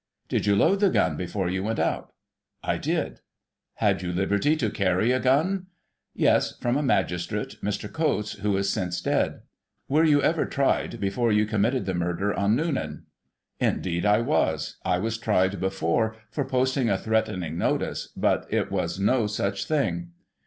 Did you load the gun before you went out ?— I did. Had you liberty to carry a gun }— Yes, from a magistrate, Mr. Coates, who is since dead. Were you ever tried before you committed the murder on Noonan ?— Indeed I was ; I was tried before, for posting a threatening notice, but it was no such thing.